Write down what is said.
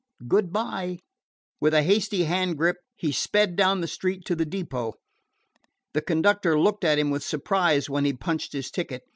Good by." With a hasty hand grip, he sped down the street to the depot. The conductor looked at him with surprise when he punched his ticket.